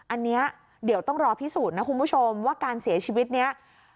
อันนี้เดี๋ยวต้องรอพิสูจน์นะคุณผู้ชมว่าการเสียชีวิตนี้